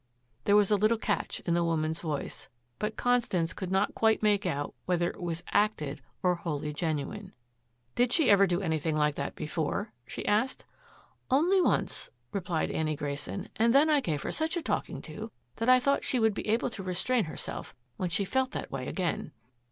There was a little catch in the woman's voice. But Constance could not quite make out whether it was acted or wholly genuine. "Did she ever do anything like that before?" she asked. "Only once," replied Annie Grayson, "and then I gave her such a talking to that I thought she would be able to restrain herself when she felt that way again."